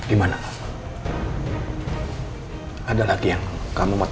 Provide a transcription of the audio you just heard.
indonesia adalah tinggi dan sejuta